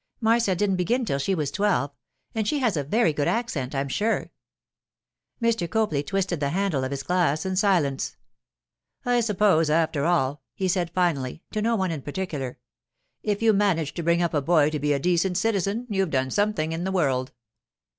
Marcia didn't begin till she was twelve, and she has a very good accent, I am sure.' Mr. Copley twisted the handle of his glass in silence. 'I suppose, after all,' he said finally, to no one in particular, 'if you manage to bring up a boy to be a decent citizen you've done something in the world.